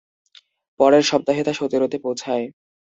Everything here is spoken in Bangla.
পরের সপ্তাহে তা সতেরোতে পৌঁছায়।